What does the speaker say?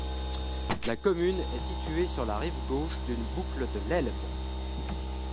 La commune est située sur la rive gauche d'une boucle de l'Elbe.